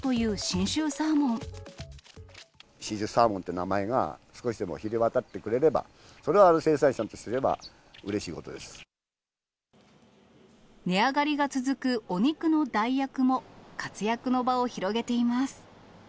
信州サーモンっていう名前が、少しでも知れ渡ってくれれば、それは生産者とすればうれしいこ値上がりが続くお肉の代役も、活躍の場を広げています。